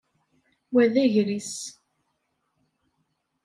Wa d agris.